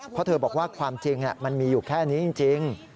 เพราะเธอบอกว่าความจริงมันมีอยู่แค่นี้จริง